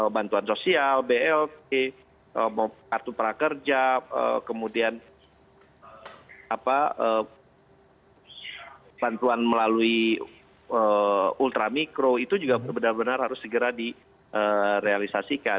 bantuan sosial blt kartu prakerja kemudian bantuan melalui ultramikro itu juga benar benar harus segera direalisasikan